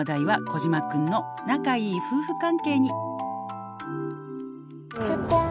「児嶋くんの仲いい夫婦関係に」